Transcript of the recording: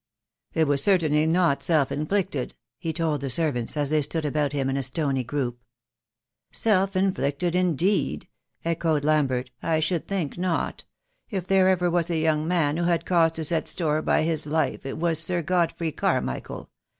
"It was certainly not self inflicted," he told the servants, as they stood about him in a stony group. "Self inflicted, indeed!" echoed Lambert, "I should think not. If ever there was a young man who had cause to set store by his life it was Sir Godfrey Carmichael.